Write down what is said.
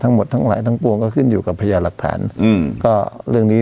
ทั้งหมดทั้งหลายทั้งปวงก็ขึ้นอยู่กับพญาหลักฐานอืมก็เรื่องนี้